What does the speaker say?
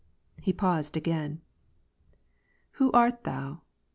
He paused again. " Who art thou